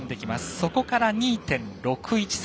そこから２．６１差。